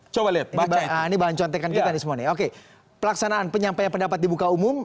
coba lihat ini bahan contekan kita nih semua nih oke pelaksanaan penyampaian pendapat di buka umum